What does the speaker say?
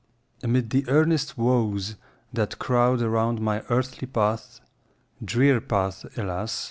amid the earnest woes That crowd around my earthly path— (Drear path, alas!